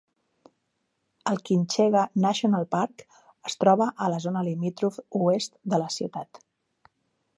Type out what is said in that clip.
El Kinchega National Park es troba a la zona limítrof oest de la ciutat.